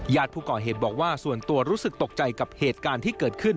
ผู้ก่อเหตุบอกว่าส่วนตัวรู้สึกตกใจกับเหตุการณ์ที่เกิดขึ้น